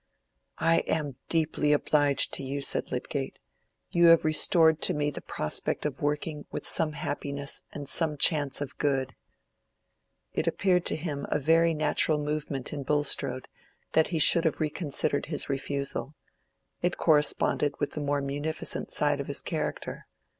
"I am deeply obliged to you," said Lydgate. "You have restored to me the prospect of working with some happiness and some chance of good." It appeared to him a very natural movement in Bulstrode that he should have reconsidered his refusal: it corresponded with the more munificent side of his character.